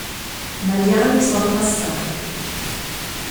Ma gli anni sono passati.